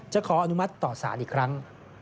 ขออนุมัติต่อสารอีกครั้ง